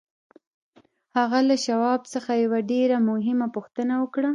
هغه له شواب څخه یوه ډېره مهمه پوښتنه وکړه